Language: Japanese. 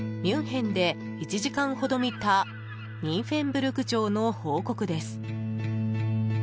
ミュンヘンで１時間ほど見たニンフェンブルク城の報告です。